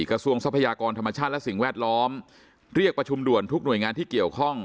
ทรัพยากรธรรมชาติและสิ่งแวดล้อมเรียกประชุมด่วนทุกหน่วยงานที่เกี่ยวข้อง